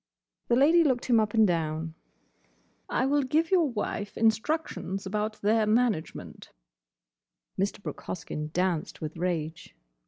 The Lady looked him up and down. "I will give your wife instructions about their management—" Mr. Brooke Hoskyn danced with rage.